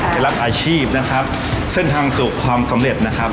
เคล็ดรับอาชีพเส้นทางสู่ความสำเร็จนะครับ